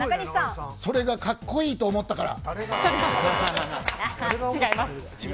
それがカッコいいと思ったから。